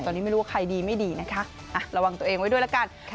ตอนนี้ไม่รู้ว่าใครดีไม่ดีนะคะระวังตัวเองไว้ด้วยละกัน